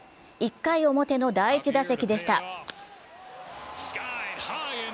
１回表の第１打席でした。